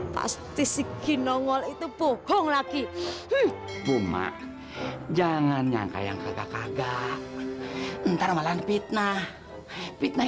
pasti si kinongol itu pukul lagi buma jangan nyangka yang kagak kagak ntar malam fitnah fitnah